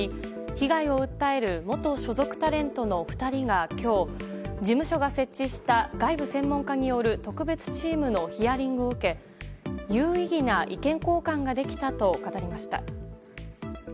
被害を訴える元所属タレントの２人が今日、事務所が設置した外部専門家による特別チームのヒアリングを受け有意義な意見交換ができたと語りました。